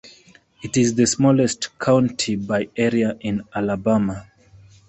It is the smallest county by area in Alabama.